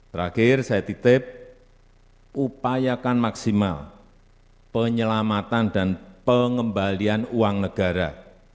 terakhir saya titip upayakan maksimal penyelamatan dan pengembalian uang negara